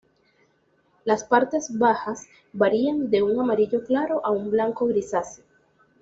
Las partes bajas varían de un amarillo claro a un blanco grisáceo.